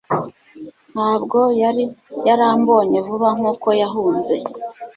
Ntabwo yari yarambonye vuba nkuko yahunze